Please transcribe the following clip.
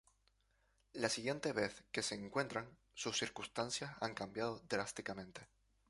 La siguiente vez que se encuentran, sus circunstancias han cambiado drásticamente.